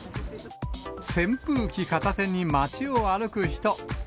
扇風機片手に街を歩く人。